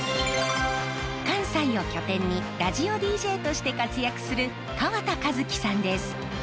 関西を拠点にラジオＤＪとして活躍する川田一輝さんです。